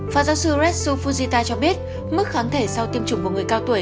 phó giáo sư red sufusita cho biết mức kháng thể sau tiêm chủng của người cao tuổi